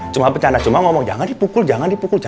cuma bercanda cuma ngomong jangan dipukul jangan dipukul tahan